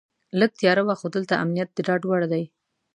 لږه تیاره وه خو دلته امنیت د ډاډ وړ دی.